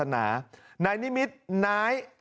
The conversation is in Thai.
นายนิมิตรนาย